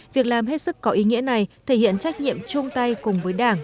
việc làm hết sức có ý nghĩa này thể hiện trách nhiệm chung tay cùng với đảng